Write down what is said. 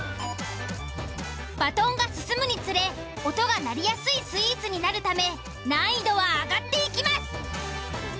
バトンが進むにつれ音が鳴りやすいスイーツになるため難易度は上がっていきます。